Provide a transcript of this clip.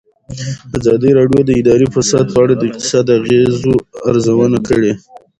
ازادي راډیو د اداري فساد په اړه د اقتصادي اغېزو ارزونه کړې.